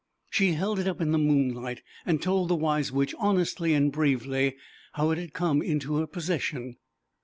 She held it up in the moon light, and told the Wise Witch, honestly and bravely, how it had come into her possession.